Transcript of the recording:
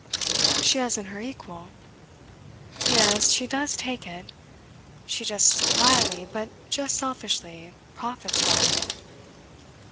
"She hasn't her equal? Yes, she does take it. She just quietly, but just selfishly, profits by it."